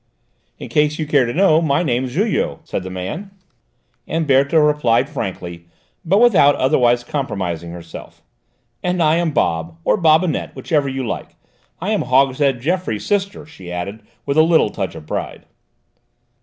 "In case you care to know, my name's Julot," said the man. And Berthe replied frankly, but without otherwise compromising herself. "And I am Bob, or Bobinette, whichever you like. I am Hogshead Geoffroy's sister," she added with a little touch of pride.